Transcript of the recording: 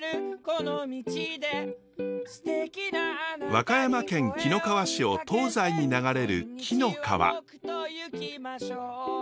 和歌山県紀の川市を東西に流れる紀の川。